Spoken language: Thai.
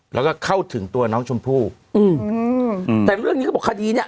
แล้วก็เข้าถึงตัวน้องชมพู่อืมอืมแต่เรื่องนี้เขาบอกคดีเนี้ย